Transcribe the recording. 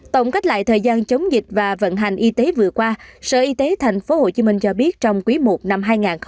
tổng cách lại thời gian chống dịch và vận hành y tế vừa qua sở y tế tp hcm cho biết trong quý i năm hai nghìn hai mươi